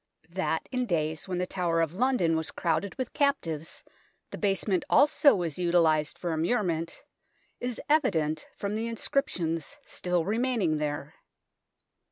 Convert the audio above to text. That in days when the Tower of London was crowded with captives the basement also was utilized for immurement is evident from the inscriptions still remain ing there.